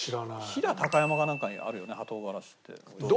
飛騨高山かなんかにあるよねはとうがらしって。